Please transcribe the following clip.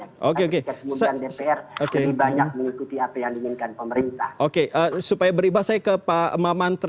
jadi kemudian dpr lebih banyak mengikuti apa yang diinginkan pemerintah